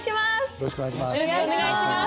よろしくお願いします。